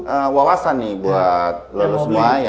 ini wawasan nih buat luar semuanya